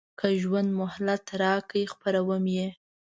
که ژوند مهلت راکړ خپروم یې.